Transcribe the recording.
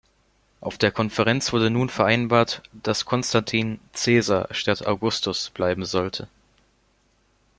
Auf der Konferenz wurde nun vereinbart, dass Konstantin "Caesar" statt "Augustus" bleiben sollte.